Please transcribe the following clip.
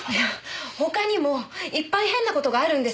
他にもいっぱい変な事があるんです！